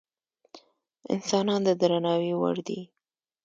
انسانان د درناوي وړ دي.